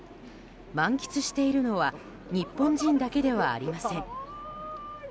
満喫しているのは日本人だけではありません。